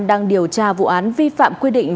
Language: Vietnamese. đang điều tra vụ án vi phạm quy định